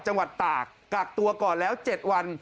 จังหวัดตากกักตัวก่อนแล้ว๗วัน